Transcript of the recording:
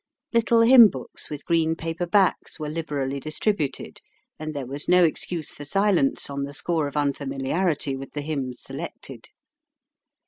Little hymn books with green paper backs were liberally distributed, and there was no excuse for silence on the score of unfamiliarity with the hymns selected.